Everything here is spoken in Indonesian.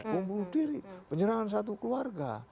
bunuh diri penyerangan satu keluarga